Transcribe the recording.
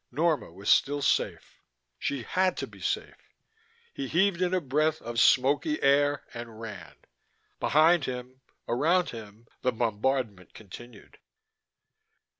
Norma was still safe. She had to be safe. He heaved in a breath of smoky air, and ran. Behind him, around him, the bombardment continued.